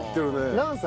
何歳？